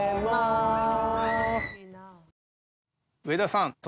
上田さん